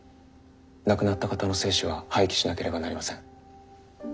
亡くなった方の精子は廃棄しなければなりません。